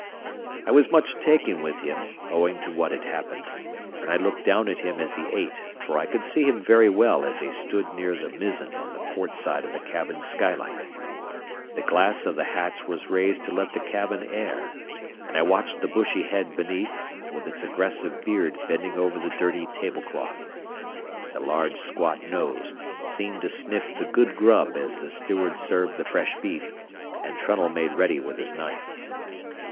I was much taken with him owing to what had happened, and I looked down at him as he ate, for I could see him very well as I stood near the mizzen on the port side of the cabin skylight. The glass of the hatch was raised to let the cabin air, and I watched the bushy head beneath, with its aggressive beard bending over the dirty table cloth. The large squat nose seemed to sniff the good grub as the steward served the fresh beef, and Trunnell made ready with his knife.